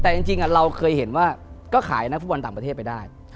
แต่จริงเราเคยเห็นว่าก็ขายนักฟุตบอลต่างประเทศไปได้